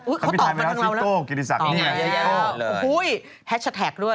อืมครบสมัยทายไปแล้วนะ